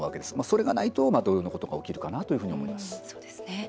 それがないと、同様のことが起きるかなというふうに思います。